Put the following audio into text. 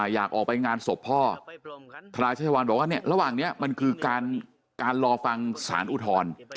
อยากออกไปงานศพพ่อธราชวันบอกว่าเนี่ยระหว่างนี้มันคือการรอฟังสารอุทธรณ์